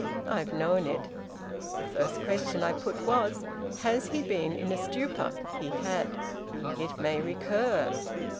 I've known it. The first question I put was has he been in a stupor? He had. It may recur.